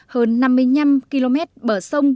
hơn năm mươi năm km bờ sông